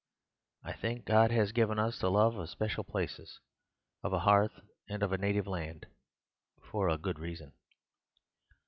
I think God has given us the love of special places, of a hearth and of a native land, for a good reason.